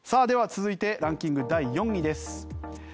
では、続いてランキング第４位です。